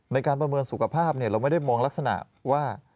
ในการประเมินสุขภาพเราไม่ได้มองลักษณะว่า